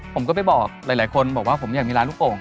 ผมก็ไปบอกหลายคนบอกว่าผมอยากมีร้านลูกโป่ง